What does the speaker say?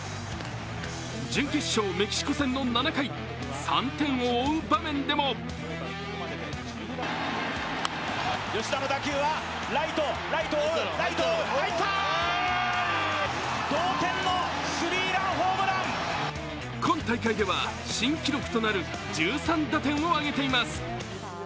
準決勝メキシコ戦の７回、３点を追う場面でも今大会では新記録となる１３打点を挙げています。